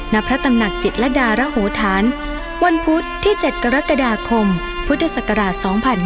ณพระตำหนักจิตรดารโหธานวันพุธที่๗กรกฎาคมพุทธศักราช๒๕๕๙